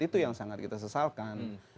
itu yang sangat kita sesalkan